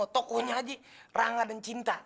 tokohnya aja rangga dan cinta